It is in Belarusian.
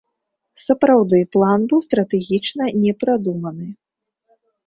Сапраўды, план быў стратэгічна не прадуманы.